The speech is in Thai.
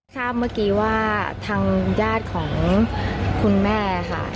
ทราบเมื่อกี้ว่าทางญาติของคุณแม่ค่ะ